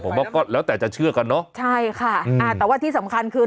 ผมว่าก็แล้วแต่จะเชื่อกันเนอะใช่ค่ะอ่าแต่ว่าที่สำคัญคือ